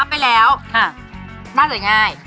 อัพริกเลยทำทีเยอะนะ